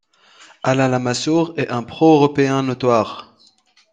Alain Lamassoure est un pro-européen notoire.